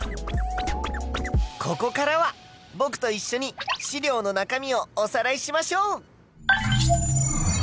ここからはぼくといっしょに資料の中身をおさらいしましょう！